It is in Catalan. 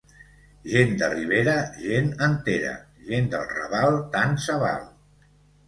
Gent de Ribera, gent entera; gent del Raval, tant se val.